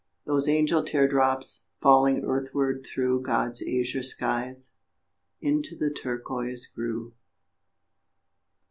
Those angel tear drops, falling earthward through God's azure skies, into the turquoise grew.